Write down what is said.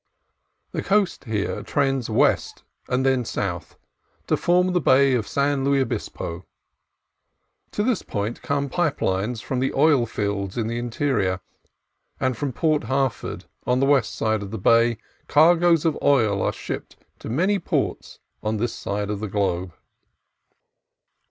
The coast here trends west and then south, to form the bay of San Luis Obispo. To this point come pipe lines from the oil fields in the interior, and from Port Harford, on the west side of the bay, cargoes of oil are shipped to many ports on this side of the globe.